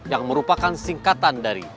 yang merupakan singkatan dari